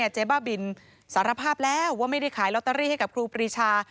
เจ๊บ้าบินสารภาพแล้วว่าไม่ได้ขายลอตเตอรี่ให้กับครูปรีชา